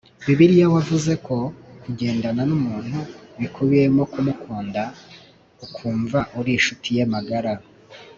Bibiliya wavuze ko kugendana n umuntu bikubiyemo kumukunda ukumva uri inshuti ye magara